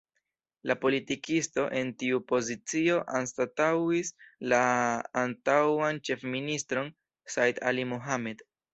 La politikisto en tiu pozicio anstataŭis la antaŭan ĉefministron Said Ali Mohamed.